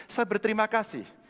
saya berterima kasih